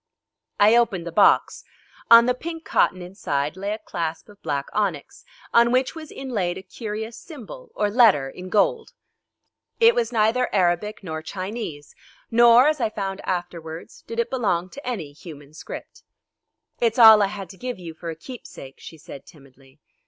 I opened the box. On the pink cotton inside lay a clasp of black onyx, on which was inlaid a curious symbol or letter in gold. It was neither Arabic nor Chinese, nor, as I found afterwards, did it belong to any human script. "It's all I had to give you for a keepsake," she said timidly.